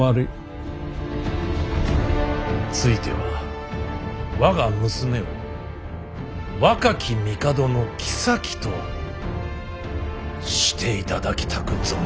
ついては我が娘を若き帝の后としていただきたく存じまする。